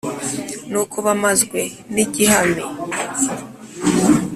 ni uko bamazwe n’igihami